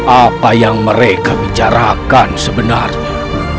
apa yang mereka bicarakan sebenarnya